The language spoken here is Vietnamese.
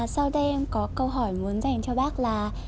sau đây em có câu hỏi muốn dành cho bác là